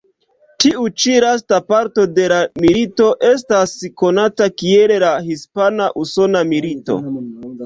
Tiu ĉi lasta parto de la milito estas konata kiel la Hispana-usona milito.